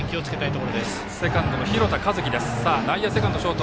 セカンド廣田和希です。